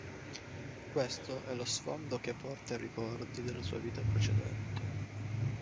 Questo è lo sfondo che porta ai ricordi della sua vita precedente.